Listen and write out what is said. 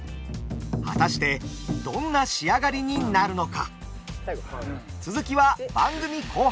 果たしてどんな仕上がりになるのか。